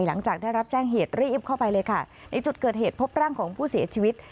หลังจากได้รับแจ้งเหตุรีบเข้าไปเลยค่ะในจุดเกิดเหตุพบร่างของผู้เสียชีวิต